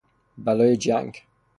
بلای جنگ